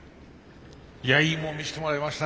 いやいいもん見せてもらいましたね。